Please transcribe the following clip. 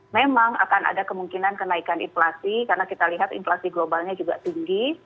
memang akan ada kemungkinan kenaikan inflasi karena kita lihat inflasi globalnya juga tinggi